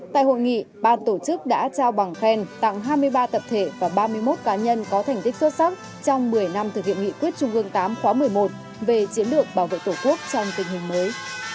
tại hội nghị ban tổ chức đã trao bằng khen tặng hai mươi ba tập thể và ba mươi một cá nhân có thành tích xuất sắc trong một mươi năm thực hiện nghị quyết trung ương tám khóa một mươi một về chiến lược bảo vệ tổ quốc trong tình hình mới